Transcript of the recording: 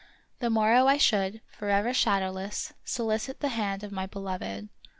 On the morrow I should, forever shadowless, solicit the hand of my beloved.